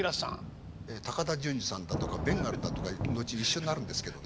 高田純次さんだとかベンガルだとか後に一緒になるんですけどね。